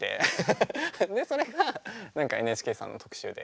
それが何かＮＨＫさんの特集で。